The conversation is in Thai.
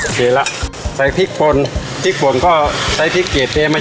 โอเคแล้วใส่พริกพ่นพริกฝ่วงก็ใส่พริกเกียจเนยงมา